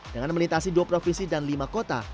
dengan melintasi dua provinsi dan lima kota